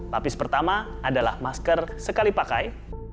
lapis pertama adalah masker sekali pakai